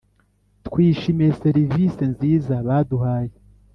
twishimiye serivise nziza baduhaye